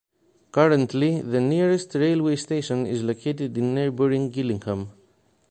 Currently the nearest railway station is located in neighbouring Gillingham.